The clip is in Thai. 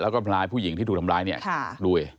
แล้วก็พลายผู้หญิงที่ถูกทำร้ายเนี่ยด้วย